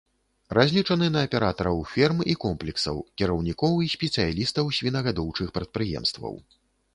Разлічаны на аператараў ферм і комплексаў, кіраўнікоў і спецыялістаў свінагадоўчых прадпрыемстваў.